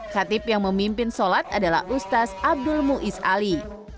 khatib yang memimpin solat adalah ustaz abdul muiz ali